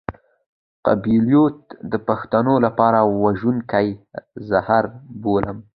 قبيلويت د پښتنو لپاره وژونکی زهر بولم.